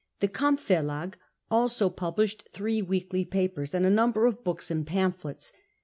The Kampf Verlag also published three weekly papers and a number of books and pamphlets.